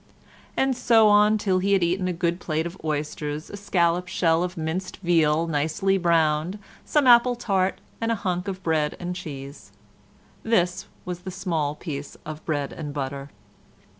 And so on till he had eaten a good plate of oysters, a scallop shell of minced veal nicely browned, some apple tart, and a hunk of bread and cheese. This was the small piece of bread and butter.